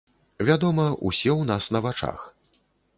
Вядома, усе ў нас на вачах.